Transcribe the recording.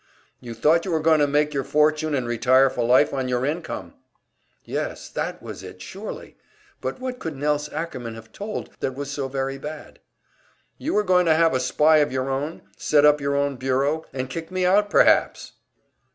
"You thought you were going to make your fortune and retire for life on your income!" Yes, that was it, surely! But what could Nelse Ackerman have told that was so very bad? "You were going to have a spy of your own, set up your own bureau, and kick me out, perhaps!"